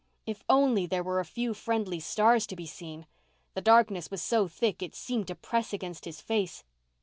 If only there were a few friendly stars to be seen! The darkness was so thick it seemed to press against his face.